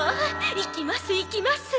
行きます行きます！